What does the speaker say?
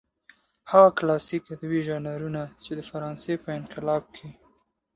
هغه کلاسلیک ادبي ژانرونه چې د فرانسې په انقلاب کې.